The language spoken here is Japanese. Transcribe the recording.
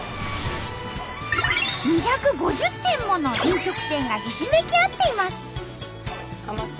２５０店もの飲食店がひしめき合っています。